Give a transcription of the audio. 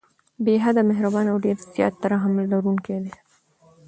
بې حده مهربان او ډير زيات رحم لرونکی دی